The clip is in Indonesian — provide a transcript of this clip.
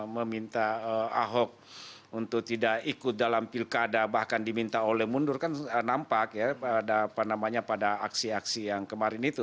meminta ahok untuk tidak ikut dalam pilkada bahkan diminta oleh mundur kan nampak ya pada aksi aksi yang kemarin itu